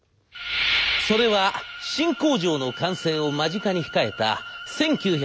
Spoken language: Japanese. それは新工場の完成を間近に控えた１９９８年のこと。